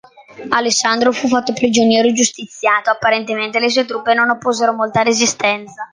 Alessandro fu fatto prigioniero e giustiziato: apparentemente le sue truppe non opposero molta resistenza.